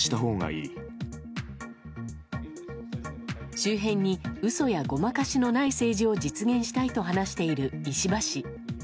周辺に嘘やごまかしのない政治を実現したいと話している石破氏。